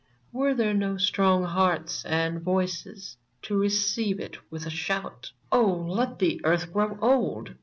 Were there no strong hearts and voices To receive it with a shout ? Oh / let the Earth grow old